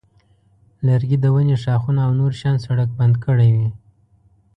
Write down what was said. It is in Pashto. لرګي د ونې ښاخونه او نور شیان سړک بند کړی وي.